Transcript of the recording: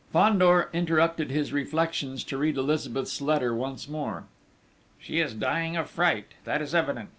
Fandor interrupted his reflections to read Elizabeth's letter once more. "She is dying of fright! That is evident!...